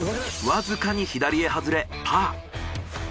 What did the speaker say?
わずかに左へ外れパー。